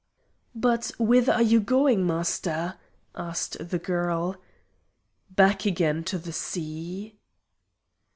"But whither are you going, Master?" asked the girl. "Back again to the sea."